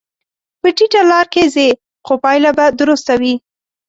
په ټیټه لار کې ځې، خو پایله به درسته وي.